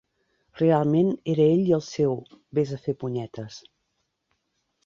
Realment era ell i el seu "ves a fer punyetes"!